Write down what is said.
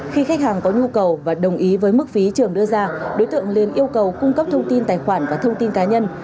khi khách hàng có nhu cầu và đồng ý với mức phí trường đưa ra đối tượng liên yêu cầu cung cấp thông tin tài khoản và thông tin cá nhân